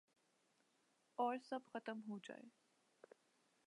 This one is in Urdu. اور سب ختم ہوجائے